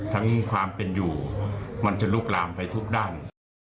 ทั้งความเป็นอยู่มันจะลุกลามไปทุกด้าน